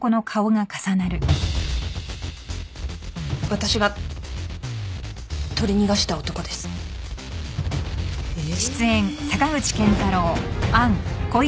私が取り逃がした男です。え。